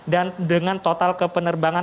dan dengan total keberangkatan